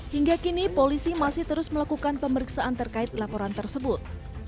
hingga kini polisi masih terus melakukan pemeriksaan terkait laporan tersebut